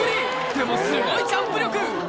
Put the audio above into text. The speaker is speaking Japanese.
でもすごいジャンプ力